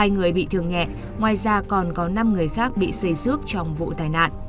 hai người bị thương nhẹ ngoài ra còn có năm người khác bị xây xước trong vụ tai nạn